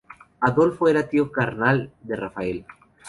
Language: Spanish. Adolfo era tío carnal de Rafael.